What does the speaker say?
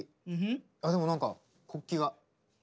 あっでも何か国旗が。